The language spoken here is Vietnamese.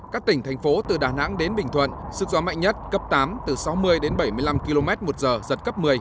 các tỉnh thành phố từ đà nẵng đến bình thuận sức gió mạnh nhất cấp tám từ sáu mươi đến bảy mươi năm km một giờ giật cấp một mươi